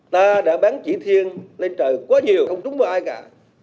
ta đã bắn chỉ thiên lên trời quá nhiều không trúng có ai cả